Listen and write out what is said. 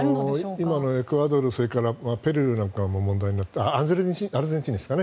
今のエクアドルそれからペルーなんかも問題になってアルゼンチンですかね。